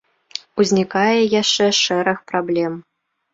Узнікае яшчэ шэраг праблем.